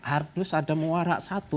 ardhus ada muara satu